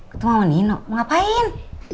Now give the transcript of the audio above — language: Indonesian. ketemu sama nino mau ngapain